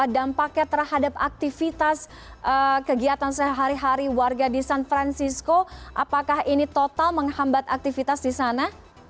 dampaknya terhadap aktivitas kegiatan sehari hari warga di san francisco apakah ini total menghambat aktivitas di sana